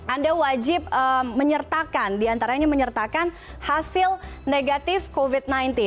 anda wajib menyertakan diantaranya menyertakan hasil negatif covid sembilan belas